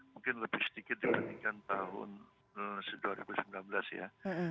mungkin lebih sedikit dibandingkan tahun dua ribu sembilan belas ya